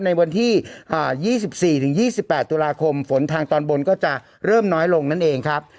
ในวันที่อ่ายี่สิบสี่ถึงยี่สิบแปดตุลาคมฝนทางตอนบนก็จะเริ่มน้อยลงนั่นเองครับ